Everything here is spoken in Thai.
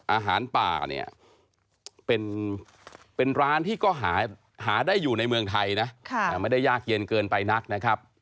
อาหารป่าเนี่ยเป็นร้านที่ก็หาได้อยู่ในเมืองไทยนะไม่ได้ยากเย็นเกินไปนักนะครับ